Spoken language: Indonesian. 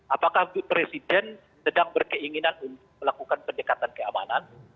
apakah presiden sedang berkeinginan untuk melakukan pendekatan keamanan